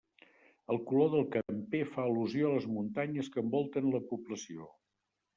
El color del camper fa al·lusió a les muntanyes que envolten la població.